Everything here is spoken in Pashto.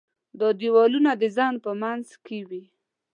دا دیوالونه د ذهن په منځ کې وي.